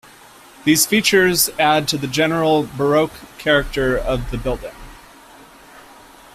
These features add to the general baroque character of the building.